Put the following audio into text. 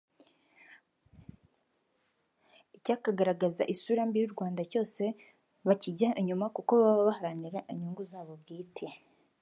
icyakagaragaza isura mbi y’u Rwanda cyose bakijya inyuma kuko baba baharanira inyungu zabo bwite